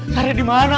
sariah dimana tuh